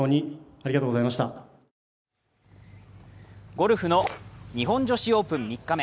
ゴルフの日本女子オープン３日目。